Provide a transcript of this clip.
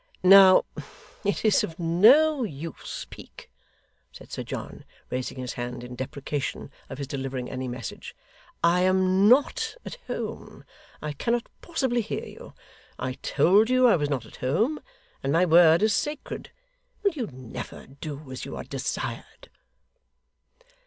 'Now, it is of no use, Peak,' said Sir John, raising his hand in deprecation of his delivering any message; 'I am not at home. I cannot possibly hear you. I told you I was not at home, and my word is sacred. Will you never do as you are desired?